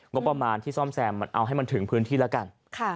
งบประมาณที่ซ่อมแซมเอาให้มันถึงพื้นที่แล้วกัน